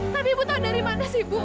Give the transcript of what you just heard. tapi ibu tahu dari mana sih bu